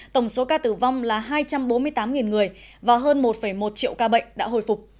tổng số ca tử vong là hai trăm bốn mươi tám người và hơn một một triệu ca bệnh đã hồi phục